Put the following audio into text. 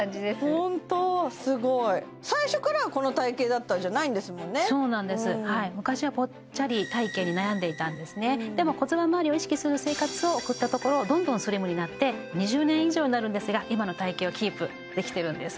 ホントすごい最初からこの体形だったんじゃないんですもんねそうなんです昔はぽっちゃり体形に悩んでたんですでも骨盤まわりを意識する生活を送ったところどんどんスリムになって２０年以上になるんですが今の体形をキープできてるんです